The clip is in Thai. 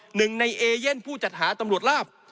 หนึ่งในเอเย่นผู้จัดหาตำรวจลาบ